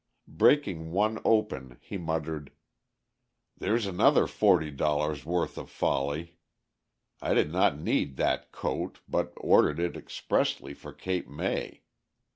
Breaking one open he muttered, "There's another forty dollars' worth of folly. I did not need that coat, but ordered it expressly for Cape May.